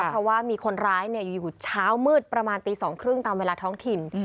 เพราะว่ามีคนร้ายอยู่เช้ามืดประมาณตี๒๓๐ตามเวลาท้องถิ่น